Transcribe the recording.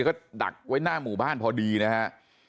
ก็ดักไว้หน้าหมู่บ้านพอดีนะฮะ